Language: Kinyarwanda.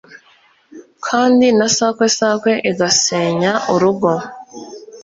kandi na sakwe sakwe igasenya urugo